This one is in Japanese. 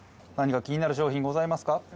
何か気になる商品ございますか？